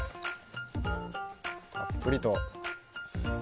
たっぷりと。